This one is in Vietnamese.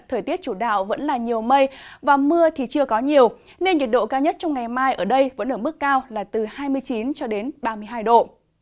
thời tiết chủ đạo vẫn là nhiều mây và mưa thì chưa có nhiều nên nhiệt độ cao nhất trong ngày mai ở đây vẫn ở mức cao là từ hai mươi chín cho đến ba mươi hai độ